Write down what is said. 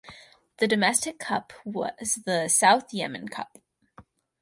The domestic cup was the South Yemen Cup.